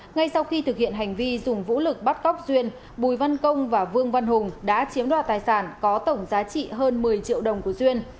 ngay sau khi thực hiện hành vi dùng vũ lực bắt cóc duyên bùi văn công và vương văn hùng đã chiếm đoạt tài sản có tổng giá trị hơn một mươi triệu đồng của duyên